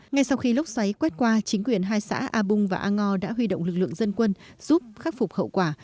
ngay sau khi lốc xoáy quét qua chính quyền hai xã a bung và a ngo đã huy động lực lượng dân quân giúp khắc phục hậu quả